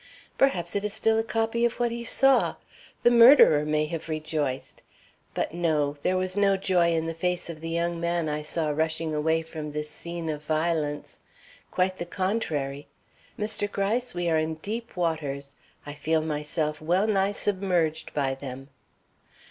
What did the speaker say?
"Perhaps it is still a copy of what he saw; the murderer may have rejoiced. But no, there was no joy in the face of the young man I saw rushing away from this scene of violence. Quite the contrary. Mr. Gryce, we are in deep waters. I feel myself wellnigh submerged by them."